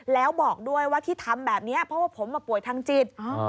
แล้วบอกด้วยว่าที่ทำแบบนี้เพราะว่าผมป่วยทางจิต